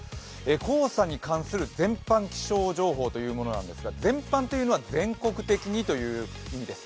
黄砂に関する全般気象情報というものなんですけど全般というのは全国的にという意味です。